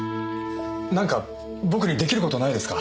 なんか僕に出来る事ないですか？